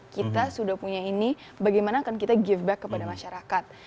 kita sudah punya ini bagaimana akan kita give back kepada masyarakat